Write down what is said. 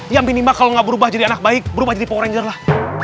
ya minima kalau gak berubah jadi anak baik berubah jadi power ranger lah